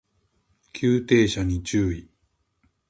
急停車に注意